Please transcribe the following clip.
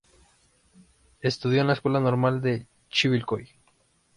Estudió en la Escuela Normal de Chivilcoy.